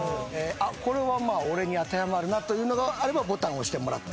これはまあ俺に当てはまるなというのがあればボタンを押してもらって。